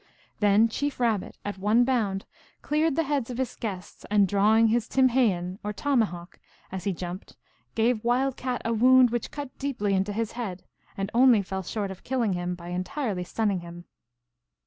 Then Chief Rabbit, at one bound, cleared the heads of his guests, and drawing his timlieyen, or tomahawk, as he jumped, gave Wild Cat a wound which cut deeply into his head, and only fell short of killing him by entirely stunning him.